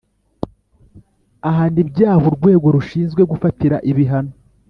ahana ibyaha urwego rushinzwe gufatira ibihano